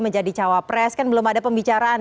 menjadi cawapres kan belum ada pembicaraan